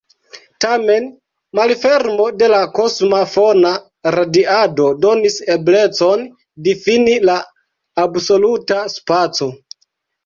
Tamen, malfermo de la kosma fona radiado donis eblecon difini la absoluta spaco.